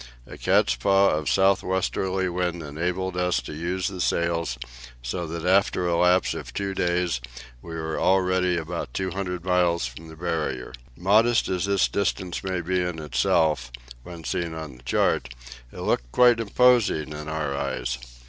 A cat's paw of south westerly wind enabled us to use the sails, so that after a lapse of two days we were already about two hundred miles from the Barrier. Modest as this distance may be in itself, when seen on the chart it looked quite imposing in our eyes.